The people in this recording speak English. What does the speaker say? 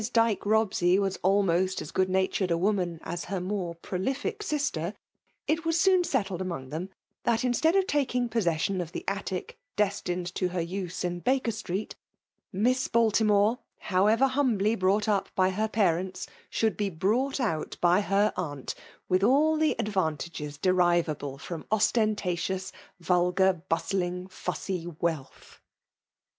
Dyke 'ELobsey was almost as good natured a woman as her more prolific sister, it vas soon settled among them that, instead of talung possession ei the attic destined to her use in Baker street, Miss Babimore, however humbly In^ooght up by her parents, should be '' brought out"" by her aunt with all the advantages derivable from ostentatious, imlgar, bustling, ftisgy vealth.